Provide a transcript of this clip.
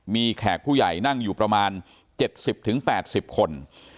มีแขกผู้ใหญ่นั่งอยู่ประมาณ๗๐๘๐คน